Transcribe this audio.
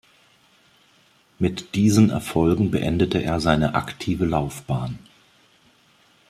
Mit diesen Erfolgen beendete er seine aktive Laufbahn.